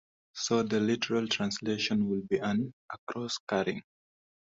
So the literal translation would be an "across-carrying".